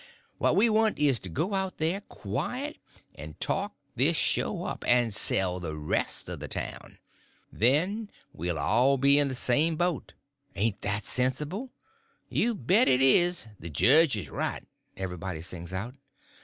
What we want is to go out of here quiet, and talk this show up, and sell the rest of the town! Then we'll all be in the same boat. Ain't that sensible?" ("You bet it is!—the jedge is right!" everybody sings out.)